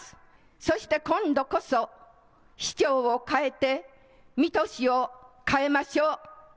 そして今度こそ、市長をかえて水戸市を変えましょう。